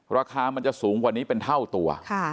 ราคามันจะสูงกว่านี้เป็นเท่าตัว